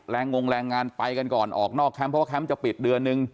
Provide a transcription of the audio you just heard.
งงแรงงานไปกันก่อนออกนอกแคมป์เพราะว่าแคมป์จะปิดเดือนนึง